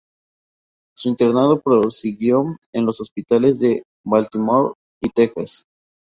Su internado prosiguió en los Hospitales de Baltimore y Texas.